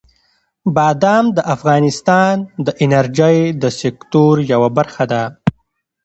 بادام د افغانستان د انرژۍ د سکتور یوه برخه ده.